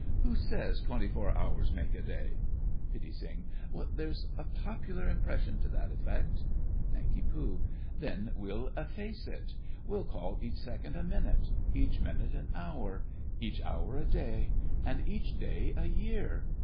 Who says twenty four hours make a day? PITTI. There's a popular impression to that effect. NANK. Then we'll efface it. We'll call each second a minute—each minute an hour—each hour a day—and each day a year.